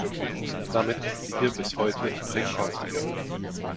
Damit ist sie hier bis heute Rekordsiegerin.